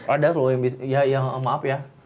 ada loh yang bisa ya ya maaf ya